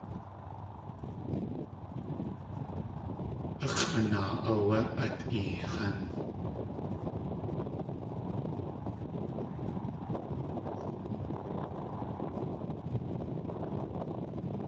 A x̲ʼanaa áwé át eehán.